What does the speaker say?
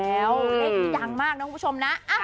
เลขนี้ดังมากนะคุณผู้ชมนะ